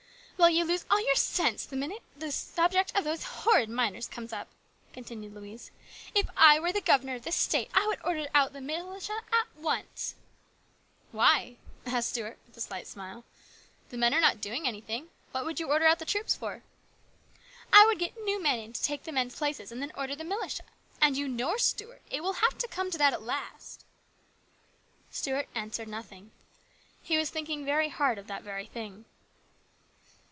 " Well, you lose all your sense the minute the subject of these horrid miners comes up," continued Louise. " If I were the governor of this State, I would order out the militia at once." " Why ?" asked Stuart with a slight smile. " The men are not doing anything. What would you order out the troops for ?"" I would get new men in to take the men's places LARGE RESPONSIBILITIES. 41 and then order the militia. And you know, Stuart, it will have to come to that at last." Stuart answered nothing. He was thinking hard of that very thing.